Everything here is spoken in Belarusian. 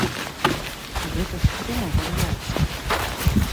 Гэта ж сума вар'яцкая.